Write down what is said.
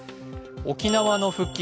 沖縄の復帰